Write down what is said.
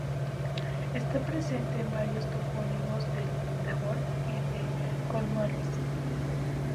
Está presente en varios topónimos del Devon y de Cornualles.